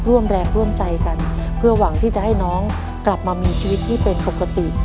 ร่วมแรงร่วมใจกันเพื่อหวังที่จะให้น้องกลับมามีชีวิตที่เป็นปกติ